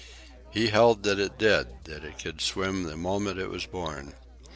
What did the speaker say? He held that it did, that it could swim the moment it was born.